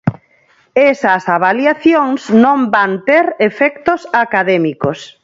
Esas avaliacións non van ter efectos académicos.